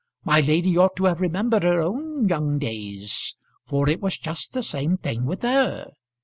My lady ought to have remembered her own young days, for it was just the same thing with her.